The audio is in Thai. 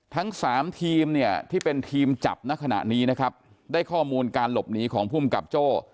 ทั้ง๓ทีมที่เป็นทีมจับในขณะนี้ได้ข้อมูลการหลบหนีของภูมิกับโจ้